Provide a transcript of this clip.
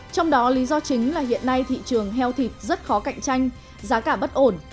trong đó lý do chính là hiện nay thị trường heo thịt rất khó cạnh tranh giá cả bất ổn